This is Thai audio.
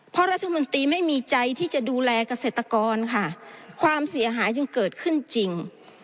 เพราะรัฐมนตรีไม่มีใจที่จะดูแลเกษตรกรค่ะความเสียหายจึงเกิดขึ้นจริง